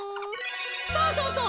そうそうそう。